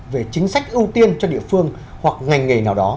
về chính sách ưu tiên cho địa phương